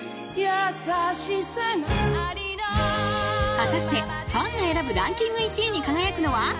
［果たしてファンが選ぶランキング１位に輝くのは？